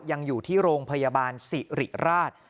ยังอยู่ที่โรงพยาบาลสิริราช